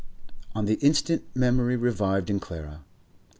On the instant memory revived in Clara.